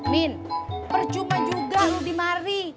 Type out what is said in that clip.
min percuma juga loh dimari